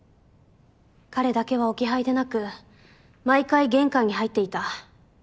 彼だけは置き配でなく毎回玄関に入っていた。